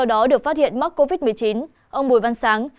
sau đó được phát hiện mắc covid một mươi chín ông bùi văn sáng